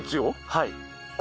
はい。